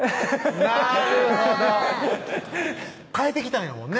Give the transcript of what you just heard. なるほど変えてきたんやもんね